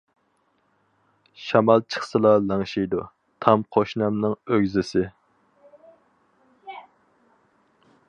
شامال چىقسا لىڭشىيدۇ، تام قوشنامنىڭ ئۆگزىسى.